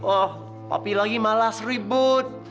oh api lagi malas ribut